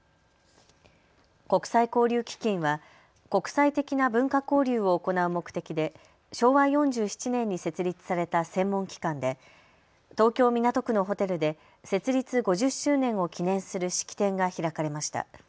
国際交流基金は国際的な文化交流を行う目的で昭和４７年に設立された専門機関で東京港区のホテルで設立５０周年を記念する式典が開かれました。